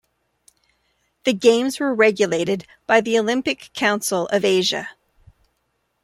The games were regulated by the Olympic Council of Asia.